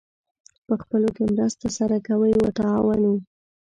پخپلو کې مرسته سره کوئ : وتعاونوا